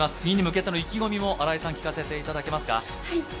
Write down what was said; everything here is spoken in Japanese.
次に向けての意気込みも新井さん、聞かせてもらえますか？